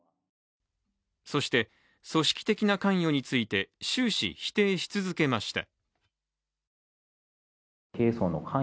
そして、組織的な関与について終始否定し続けました。